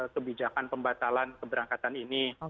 kebijakan pembatalan keberangkatan ini